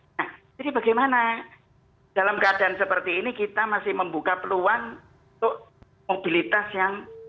nah jadi bagaimana dalam keadaan seperti ini kita masih membuka peluang untuk mobilitas yang